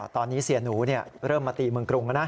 ตอนนี้เสียหนูเริ่มมาตีเมืองกรุงแล้วนะ